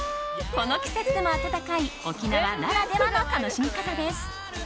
この季節でも暖かい沖縄ならではの楽しみ方です。